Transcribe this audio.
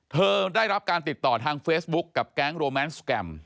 ได้รับการติดต่อทางเฟซบุ๊คกับแก๊งโรแมนสแกรม